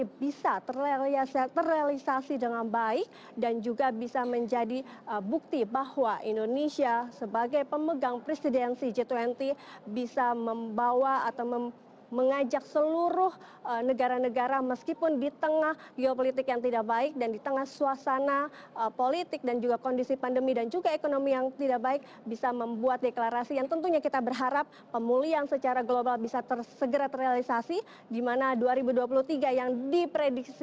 untuk membuat seluruh negara negara bisa terrealisasi dengan baik dan juga bisa menjadi bukti bahwa indonesia sebagai pemegang presidensi g dua puluh bisa membawa atau mengajak seluruh negara negara meskipun di tengah geopolitik yang tidak baik dan di tengah suasana politik dan juga kondisi pandemi dan juga ekonomi yang tidak baik bisa membuat deklarasi yang tentunya kita berharap pemulihan secara global bisa tersegera terrealisasi dimana dua ribu dua puluh tiga yang diharapkan pemulihan secara global bisa tersegera terrealisasi